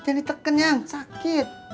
aduh jadi teken yang sakit